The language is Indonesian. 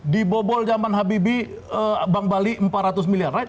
dibobol zaman habibie bank bali empat ratus miliar